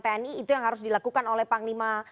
tni itu yang harus dilakukan oleh panglima